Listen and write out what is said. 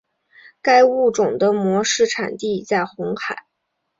该物种的模式产地在红海。